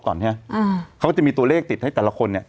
เค้าก็จะมีตัวเลขติดให้แต่ละคน